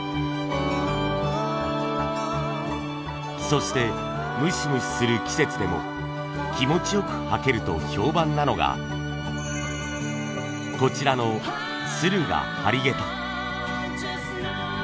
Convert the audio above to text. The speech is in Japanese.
そしてムシムシする季節でも気持ち良く履けると評判なのがこちらの駿河張下駄。